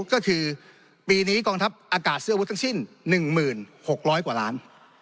ก็คือปีนี้กองทัพอากาศซื้ออาวุธทั้งสิ้น๑๖๐๐กว่าล้าน